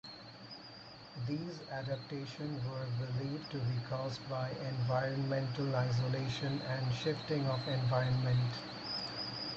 These adaptation were believed to be caused by environmental isolation and shifting of environment.